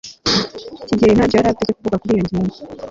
kigeri ntacyo yari afite cyo kuvuga kuri iyo ngingo